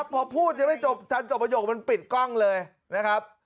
พอพูดยังไม่จบทันจบประโยคมันปิดกล้องเลยนะครับ